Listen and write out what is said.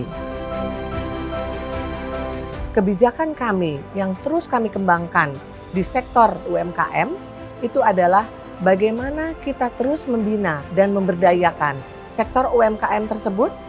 kebijakan kami yang terus kami kembangkan di sektor umkm itu adalah bagaimana kita terus membina dan memberdayakan sektor umkm tersebut